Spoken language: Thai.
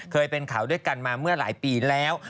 เคยเป็นข่าวด้วยกันมาเมื่อหลายปีแล้ว